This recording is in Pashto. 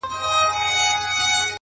وه كلي ته زموږ راځي مـلـنگه ككـرۍ;